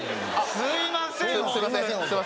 すいません